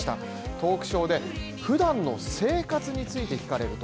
トークショーで普段の生活について聞かれると